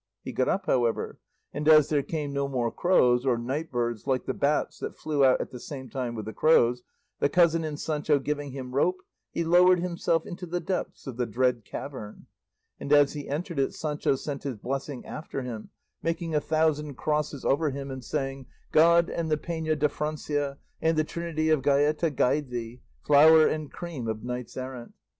He got up, however, and as there came no more crows, or night birds like the bats that flew out at the same time with the crows, the cousin and Sancho giving him rope, he lowered himself into the depths of the dread cavern; and as he entered it Sancho sent his blessing after him, making a thousand crosses over him and saying, "God, and the Pena de Francia, and the Trinity of Gaeta guide thee, flower and cream of knights errant.